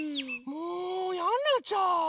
もうやんなっちゃう！